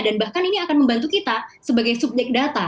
dan bahkan ini akan membantu kita sebagai subjek data